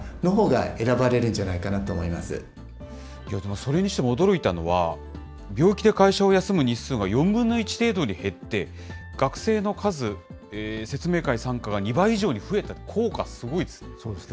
それにしても驚いたのは、病気で会社を休む日数は４分の１程度に減って、学生の数、説明会参加が２倍以上に増えた、効果すごそうですね。